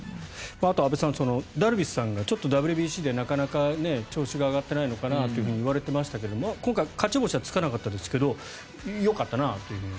あと安部さんダルビッシュさんがちょっとＷＢＣでなかなか調子が上がってないのかなといわれてましたが今回勝ち星はつかなかったですがよかったなという。